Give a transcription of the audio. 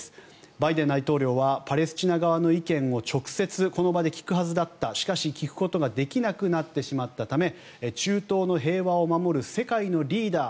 バイデン大統領はパレスチナ側の意見を直接この場で聞くはずだったしかし、聞くことができなくなってしまったため中東の平和を守る世界のリーダー